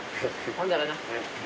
ほんならな。